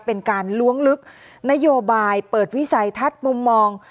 เป็นการล้วงลึกนโยบายเปิดวิสัยทัศน์มุมมอง